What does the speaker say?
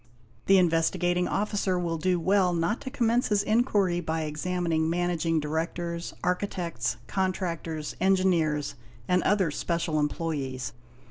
The Investigating Officer will do well not to commence his inquiry by examining managing directors, architects, contractors, engineers, and other special employés.